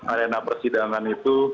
arena persidangan itu